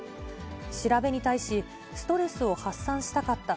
調べに対し、ストレスを発散したかった。